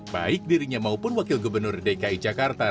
baik dirinya maupun wakil gubernur dki jakarta